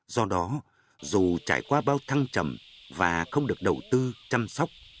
do đó dù trải qua bao thăng trầm và không được đầu tư chăm sóc